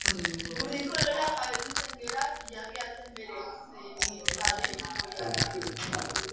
Urdin kolorea jabetu zen gelaz, Ilargia zen, bere zenitaren goialdean.